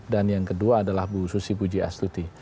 dan yang kedua adalah bu susi buji astuti